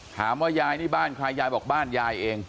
ยายนี่บ้านใครยายบอกบ้านยายเอง